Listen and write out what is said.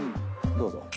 どうぞ。